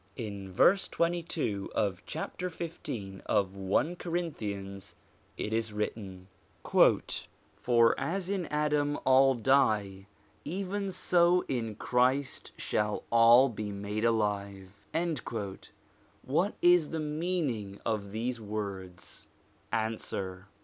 In verse 22 of chapter 15 of 1 Corinthians it is written :' For as in Adam all die, even so in Christ shall all be made alive.' What is the meaning of these words ? Answer.